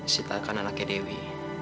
sita kan anaknya dewi